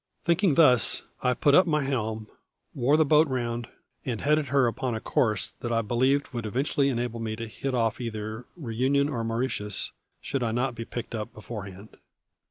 Thinking thus, I put up my helm, wore the boat round, and headed her upon a course that I believed would eventually enable me to hit off either Reunion or Mauritius, should I not be picked up beforehand.